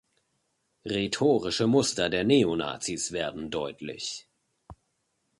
Rhetorische Muster der Neonazis werden deutlich.